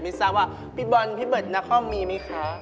ไม่ทราบว่าพี่บอลพี่เบิร์ดนาคอมมีไหมคะ